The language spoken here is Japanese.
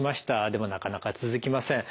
でもなかなか続きません。